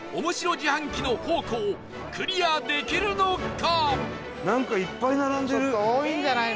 自販機の宝庫をクリアできるのか？